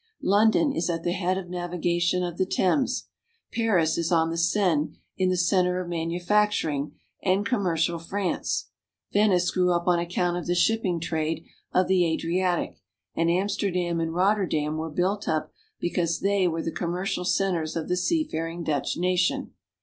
London is at the head of navigation of the Thames, Paris is on the Seine 336 RUSSIA. in the center of manufacturing and commercial France, Venice grew up on account of the shipping trade of the Adriatic, and Amsterdam and Rotterdam were built up because they were the commercial centers of the seafaring Dutch nation.